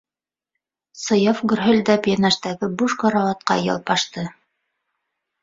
- Саяф гөрһөлдәп йәнәштәге буш карауатҡа ялпашты.